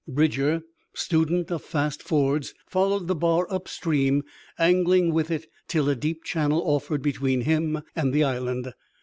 Bridger, student of fast fords, followed the bar upstream, angling with it, till a deep channel offered between him and the island.